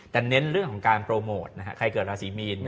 แต่เน้นเรื่องของการโปรโมทใครเกิดราศีมีน